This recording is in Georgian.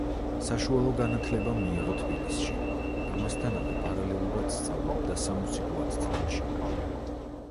საშუალო განათლება მიიღო თბილისში, ამასთანავე, პარალელურად სწავლობდა სამუსიკო ათწლედში.